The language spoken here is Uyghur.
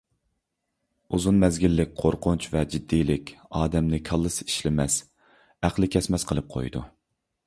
ئوزۇن مەزگىللىك قورقۇنچ ۋە جىددىيلىك ئادەمنى كاللىسى ئىشلىمەس، ئەقلى كەسمەس قىلىپ قويىدۇ.